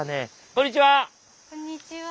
こんにちは。